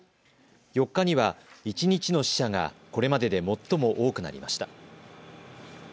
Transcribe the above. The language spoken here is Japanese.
４日には一日の死者が、これまでで最も多くなりました。